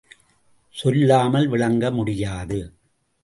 சொல்லால் விளக்க முடியாது.